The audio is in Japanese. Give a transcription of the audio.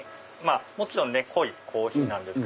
もちろん濃いコーヒーなんですけど。